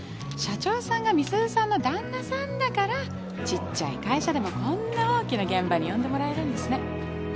社長さんが美鈴さんの旦那さんだからちっちゃい会社でもこんな大きな現場に呼んでもらえるんですね。